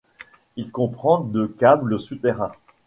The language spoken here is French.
Il comprend de câbles souterrains.